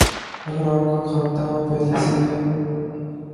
اگر آپ کا کھاتہ پہلے سے ہے